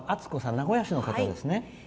名古屋市の方ですね。